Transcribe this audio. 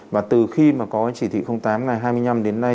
và từ khi mà có cái chỉ thị tám ngày hai mươi năm đến nay